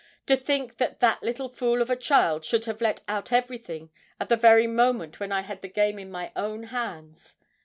'To think that that little fool of a child should have let out everything, at the very moment when I had the game in my own hands!